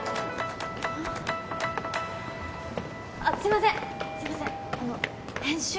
あっすいません